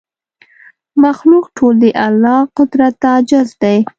مخلوق ټول د الله قدرت ته عاجز دی